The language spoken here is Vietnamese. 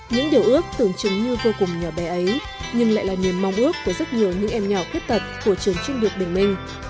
những điều ước tưởng chứng như vô cùng nhỏ bé ấy nhưng lại là niềm mong ước của rất nhiều những em nhỏ khuyết tật của trường chuyên biệt bình minh